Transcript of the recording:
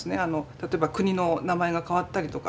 例えば国の名前が変わったりとか。